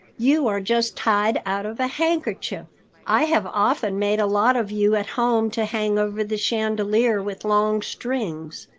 "You are just tied out of a handkerchief. I have often made a lot of you at home to hang over the chandelier with long strings.